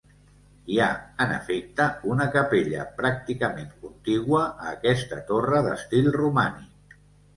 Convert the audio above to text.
Hi ha, en efecte, una capella pràcticament contigua a aquesta torre d'estil romànic.